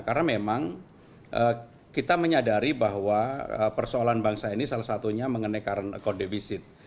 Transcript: karena memang kita menyadari bahwa persoalan bangsa ini salah satunya mengenai current code deficit